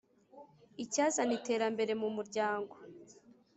icyazana iterambere mu muryango